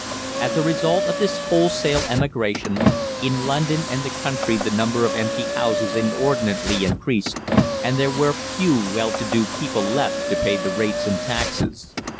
As a result of this wholesale emigration, in London and the country the number of empty houses inordinately increased, and there were few well to do people left to pay the rates and taxes.